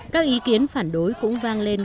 các ý kiến phản đối cũng vang lên